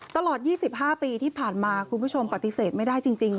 ตลอด๒๕ปีที่ผ่านมาคุณผู้ชมปฏิเสธไม่ได้จริง